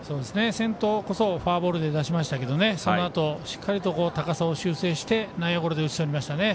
先頭こそフォアボールで出しましたけどそのあとしっかりと高さを修正して内野ゴロで打ち取りましたね。